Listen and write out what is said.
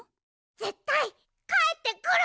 ぜったいかえってくる！